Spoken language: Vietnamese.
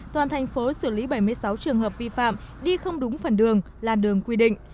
toàn thành phố xử lý bảy mươi sáu trường hợp vi phạm đi không đúng phần đường làn đường quy định